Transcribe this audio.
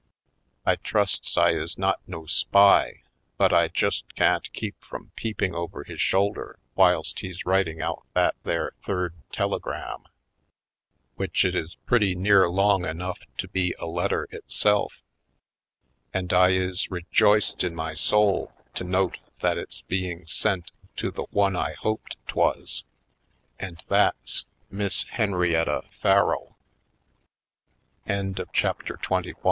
I trusts I is not no spy but I just can't keep from peeping over his shoulder whilst he's writing out that there third telegram — which it is pretty near long enough to be a letter itself — and I is rejoiced in my soul to note that it's being sent to the one I hoped 'twas — and that's Miss Henrietta Farrell. 264 /. Poindexter^